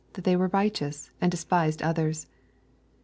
hat they were righteous, and de spised others.